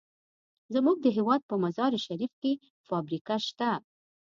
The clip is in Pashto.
زمونږ د هېواد په مزار شریف کې فابریکه شته.